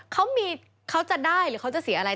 เขามีเขาจะได้หรือเขาจะเสียอะไร